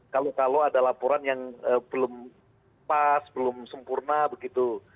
kalau kalau ada laporan yang belum pas belum sempurna begitu